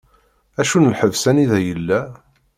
Acu n lḥebs anida yella?